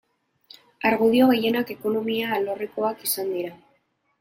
Argudio gehienak ekonomia alorrekoak izan dira.